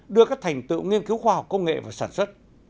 đưa các thành tựu nghiên cứu khoa học công nghệ vào sản xuất